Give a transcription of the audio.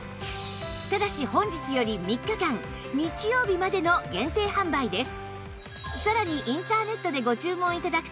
ただし本日より３日間日曜日までの限定販売です